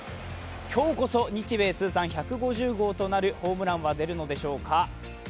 今日こそ日米通算１５０号となるホームランは出るのでしょうか。